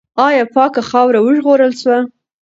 آیا پاکه خاوره وژغورل سوه؟